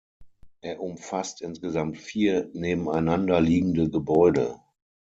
Er umfasst insgesamt vier nebeneinanderliegende Gebäude.